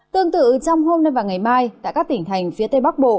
tương tự trong hôm nay và ngày mai tại các tỉnh thành phía tây bắc bộ